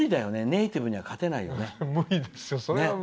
ネイティブには勝てないよね。